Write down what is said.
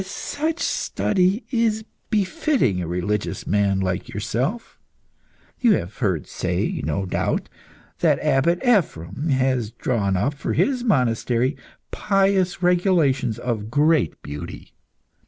Such study is befitting a religious man like yourself. You have heard say, no doubt, that Abbot Ephrem has drawn up for his monastery pious regulations of great beauty.